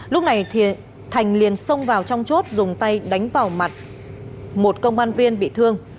lúc này thì thành liền xông vào trong chốt dùng tay đánh vào mặt một công an viên bị thương